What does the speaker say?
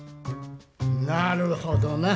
なるほどな。